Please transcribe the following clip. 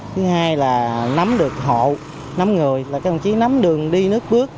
thứ hai là nắm được hộ nắm người là các đồng chí nắm đường đi nước bước